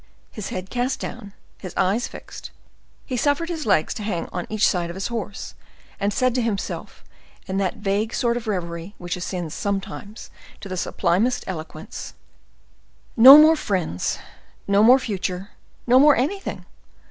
His head cast down, his eyes fixed, he suffered his legs to hang on each side of his horse, and said to himself, in that vague sort of reverie which ascends sometimes to the sublimest eloquence: "No more friends! no more future! no more anything!